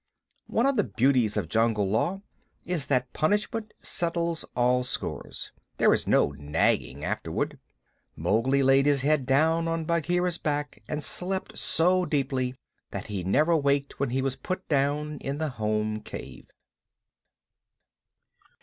One of the beauties of Jungle Law is that punishment settles all scores. There is no nagging afterward. Mowgli laid his head down on Bagheera's back and slept so deeply that he never waked when he was put down in the home cave.